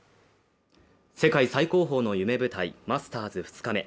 世界最高峰の夢舞台、マスターズ２日目。